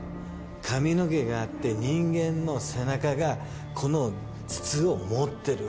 髪の毛があって人間の背中がこの筒を持ってるわけ。